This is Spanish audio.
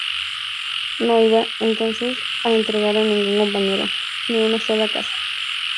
No iba, entonces, a entregar a ningún compañero, ni una sola casa.